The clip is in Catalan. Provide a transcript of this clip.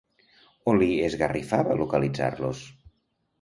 On li esgarrifava localitzar-los?